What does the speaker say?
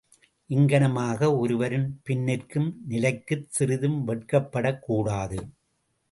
இங்ஙனமாக ஒருவரின் பின்னிற்கும் நிலைக்குச் சிறிதும் வெட்கப்படக் கூடாது.